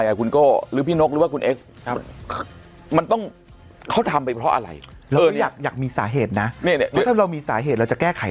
อยากมาไปแก้เยอะหรือมันมีสาเหตุอะไร